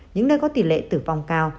những nơi có tỷ lệ tử vong cao